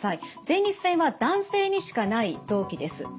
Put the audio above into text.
前立腺は男性にしかない臓器です。